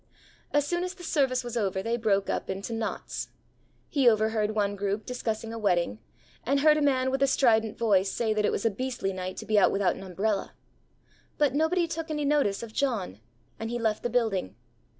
As soon as the service was over they broke up into knots. He overheard one group discussing a wedding; and heard a man with a strident voice say that it was a beastly night to be out without an umbrella. But nobody took any notice of John, and he left the building.